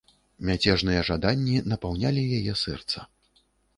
Мяцежныя жаданні напаўнялі яе сэрца.